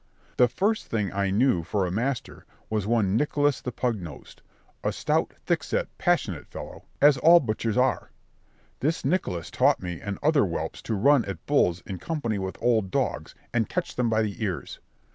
The first I knew for a master, was one Nicholas the Pugnosed, a stout, thick set, passionate fellow, as all butchers are. This Nicholas taught me and other whelps to run at bulls in company with old dogs and catch them by the ears.